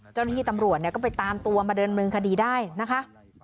เจ้าหน้าที่ตำรวจก็ไปตามตัวมาเดินเมืองคดีได้นะคะ